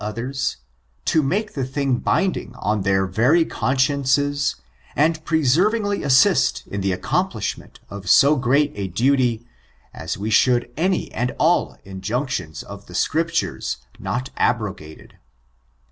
375 ers, to make the thing binding on their very con sciences, and perseveringly assist in the accomplish ment of so great a duty, as we should any and all injunctions of the Scriptures not abrogated.